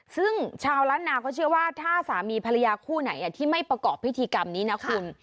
ซึ่งชาวล้านนาก็เชื่อว่าถ้าสามีภรรยาคู่ไหนที่ไม่ประกอบพิธีกรรมนี้นะคุณ